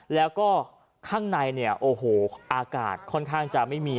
แล้วก็ข้างในเนี่ยโอ้โหอากาศค่อนข้างจะไม่มี